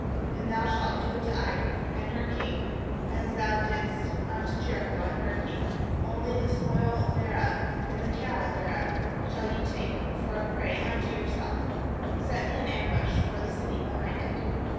2And thou shalt do to Ai and her king as thou didst unto Jericho and her king: only the spoil thereof, and the cattle thereof, shall ye take for a prey unto your selves; set thee an ambush for the city behind it.'